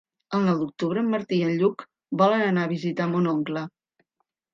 El nou d'octubre en Martí i en Lluc volen anar a visitar mon oncle.